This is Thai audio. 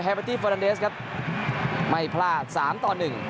แฮมเบอร์ตี้เฟอร์แลนเดสครับไม่พลาด๓ต่อ๑